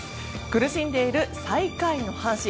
苦しんでいる最下位の阪神。